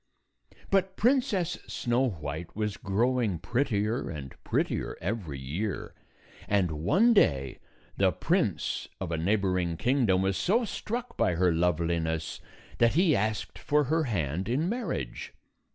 232 233 But Princess Snow White was growing pret tier and prettier every year, and one day the prince of a neighboring kingdom was so struck by her loveliness that he asked for her hand in marriage.